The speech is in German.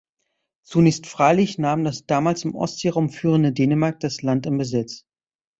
Zunächst freilich nahm das damals im Ostseeraum führende Dänemark das Land in Besitz.